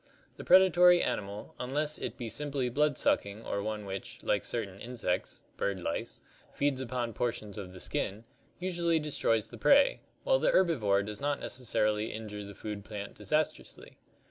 The 40 ORGANIC EVOLUTION predatory animal, unless it be simply blood sucking or one which, like certain insects (bird lice), feeds upon portions of the skin, usually destroys the prey, while the herbivore does not necessarily injure the food plant disastrously.